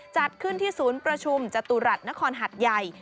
จัดขึ้นที่ศูนย์ประชุมจตุรัสนครหัดใหญ่